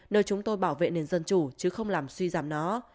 nơi chúng tôi bảo vệ nền dân chủ chứ không làm suy giảm nó